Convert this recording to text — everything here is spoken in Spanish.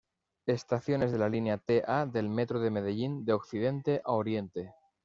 Estaciones de la Linea T-A del Metro de Medellín de occidente a oriente.